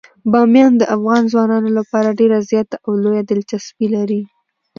بامیان د افغان ځوانانو لپاره ډیره زیاته او لویه دلچسپي لري.